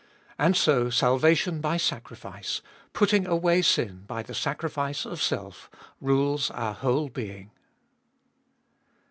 And so salvation by sacrifice, putting away sin by the sacrifice of self, rules out whole being.